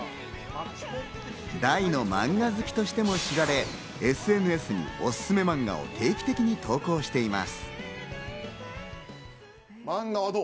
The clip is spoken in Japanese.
大のマンガ好きとしても知られ、ＳＮＳにおすすめマンガを定期的に投稿しています。